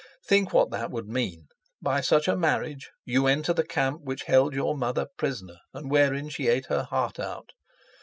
Think what that would mean. By such a marriage you enter the camp which held your mother prisoner and wherein she ate her heart out.